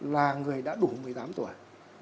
là người đã đủ người giải